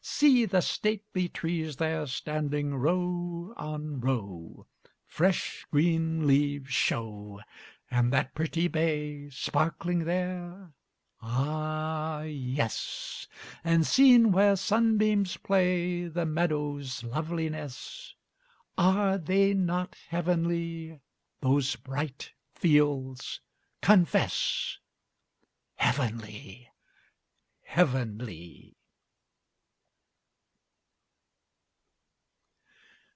"See the stately trees there, standing row on row, Fresh, green leaves show! And that pretty bay Sparkling there?" "Ah yes!" "And, seen where sunbeams play, The meadows' loveliness? Are they not heavenly those bright fields? Confess!" Heavenly! Heavenly!